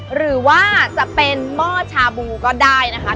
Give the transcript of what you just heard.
หรือว่าจะเป็นหม้อชาบูก็ได้นะคะ